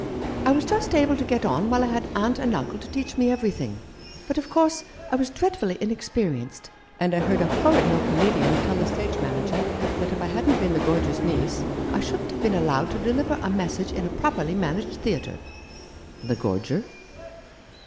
I was just able to get on while I had uncle and aunt to teach me everything ; but, of course, I was dreadfully inex perienced ; and I heard a horrid low comedian tell the stage manager that if I hadn't been the Gorger's niece I shouldn't have been allowed to deliver a message in a properly managed theatre !" "The Gorger?"